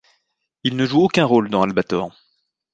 Il ne joue aucun rôle dans Albator.